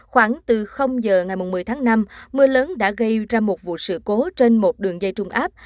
khoảng từ giờ ngày một mươi tháng năm mưa lớn đã gây ra một vụ sự cố trên một đường dây trung áp